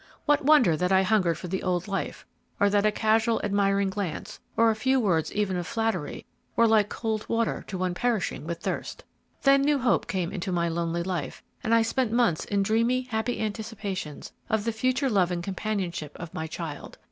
What wonder that I hungered for the old life, or that a casual admiring glance, or a few words even of flattery, were like cold water to one perishing with thirst! Then new hope came into my lonely life, and I spent months in dreamy, happy anticipations of the future love and companionship of my child.